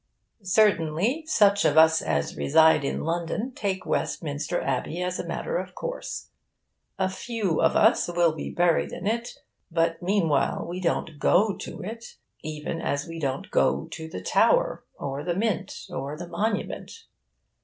Certainly, such of us as reside in London take Westminster Abbey as a matter of course. A few of us will be buried in it, but meanwhile we don't go to it, even as we don't go to the Tower, or the Mint, or the Monument.